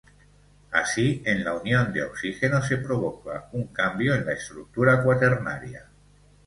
Así en la unión de oxígeno se provoca un cambio en la estructura cuaternaria.